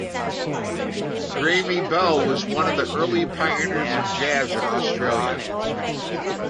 Graeme Bell was one of the early pioneers of jazz in Australia.